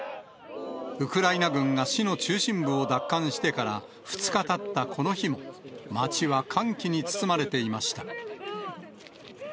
ウクライナ軍が市の中心部を奪還してから２日たったこの日も、街は歓喜に包まれていました。